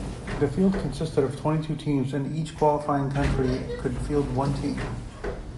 The field consisted of twenty-two teams and each qualifying country could field one team.